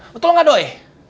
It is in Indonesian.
betul nggak doi